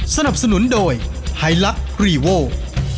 สนับสนุนโดยไฮลักษ์รีโวล